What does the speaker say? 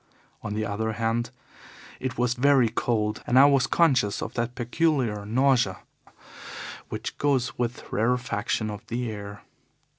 On the other hand, it was very cold, and I was conscious of that peculiar nausea which goes with rarefaction of the air.